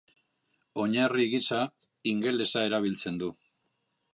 Oinarri gisa ingelesa erabiltzen du.